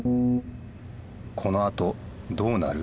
このあとどうなる？